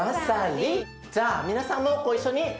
じゃあ皆さんもご一緒に。